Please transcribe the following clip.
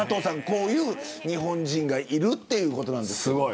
こういう日本人がいるということなんですよ。